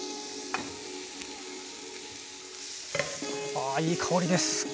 あいい香りです。